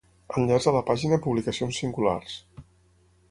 Enllaç a la pàgina Publicacions singulars.